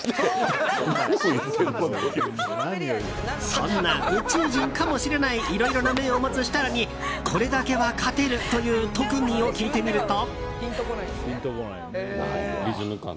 そんな宇宙人かもしれないいろいろな面を持つ設楽にこれだけは勝てるという特技を聞いてみると。